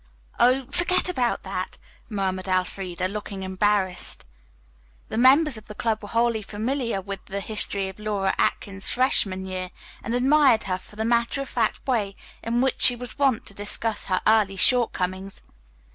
"Oh, forget about that," murmured Elfreda, looking embarrassed. The members of the club were wholly familiar with the history of Laura Atkins's freshman year and admired her for the matter of fact way in which she was wont to discuss her early short comings.